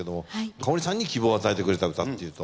かおりさんに希望を与えてくれた歌っていうと？